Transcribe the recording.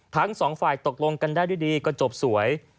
ทั้งสองฝ่ายตกลงกันได้ด้วยดีก็จบสวย